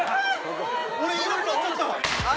俺いなくなっちゃった！